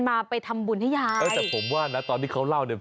มาไปทำบุญให้ยายเออแต่ผมว่านะตอนที่เขาเล่าเนี่ย